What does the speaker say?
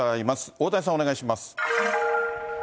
大谷さん、お願いします。